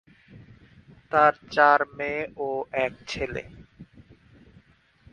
তার চার মেয়ে ও এক ছেলে।